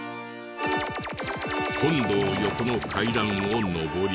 本堂横の階段を上り。